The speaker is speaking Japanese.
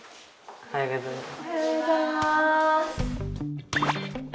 おはようございます。